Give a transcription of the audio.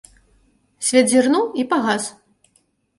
Свет зірнуў і пагас.